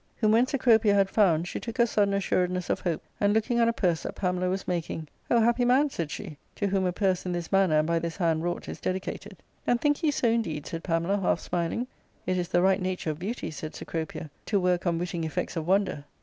Whom when Cecropia had found, she took a sudden as suredness of hope, and, looking on a purse that Pamela was making, '^ Oh, happy man," said she, '^ to whom a purse in this manner and by this hand wrought is dedicated." " And think you so indeed ?" said Pamela, half smiling. " It is the right nature of beauty," said Cecropia, " to work unwitting effects of wonder."